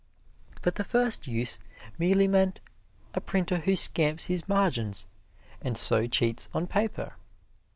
But the first use merely meant a printer who scamps his margins and so cheats on paper.